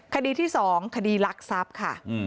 คดีที่๒คดีลักษับค่ะ